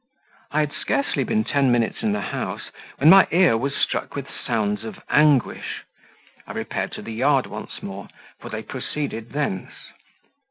I had scarcely been ten minutes in the house, when my ear was struck with sounds of anguish: I repaired to the yard once more, for they proceeded thence.